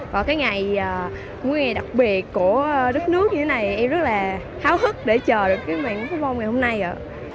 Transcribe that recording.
và cái ngày một ngày đặc biệt của đất nước như thế này em rất là tháo hức để chờ được cái mạng pháo hoa ngày hôm nay ạ